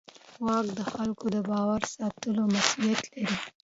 واک د خلکو د باور ساتلو مسؤلیت لري.